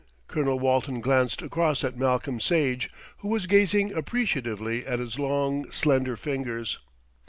Colonel Walton glanced across at Malcolm Sage, who was gazing appreciatively at his long, lender fingers.